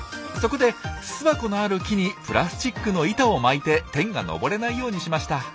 そこで巣箱のある木にプラスチックの板を巻いてテンが登れないようにしました。